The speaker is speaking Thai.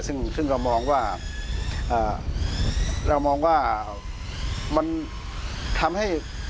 ซึ่งเรามองว่ามันทำให้